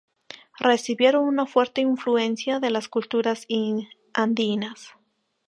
Recibieron una fuerte influencia de las culturas andinas.